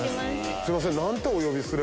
すいません。